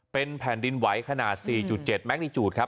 เป็นแผ่นดินไหวขนาด๔๗แมกนิจูดครับ